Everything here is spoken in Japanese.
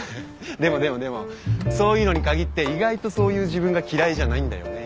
でもでもでもそういうのに限って意外とそういう自分が嫌いじゃないんだよね。